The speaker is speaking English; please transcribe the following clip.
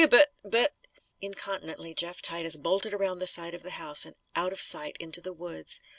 But but " Incontinently Jeff Titus bolted around the side of the house and out of sight into the woods.